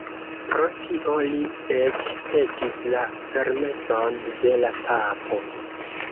Pro tio li eĉ petis la permeson de la Papo.